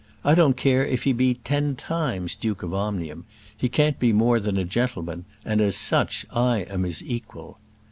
I don't care if he be ten times Duke of Omnium; he can't be more than a gentleman, and as such I am his equal."